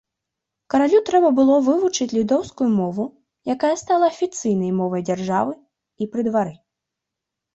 Каралю трэба было вывучыць літоўскую мову, якая стала афіцыйнай мовай дзяржавы і пры двары.